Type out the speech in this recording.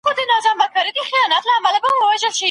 ټيکنالوژي په چټکۍ وده کوي.